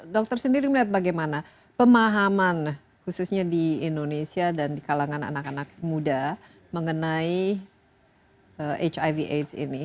dokter sendiri melihat bagaimana pemahaman khususnya di indonesia dan di kalangan anak anak muda mengenai hiv aids ini